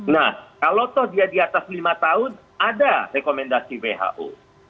nah kalau toh dia di atas lima tahun ada rekomendasi who